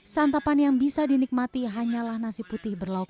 santapan yang bisa dinikmati hanyalah nasi putih berlauk